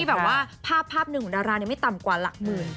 แบบว่าภาพหนึ่งของดาราไม่ต่ำกว่าหลักหมื่น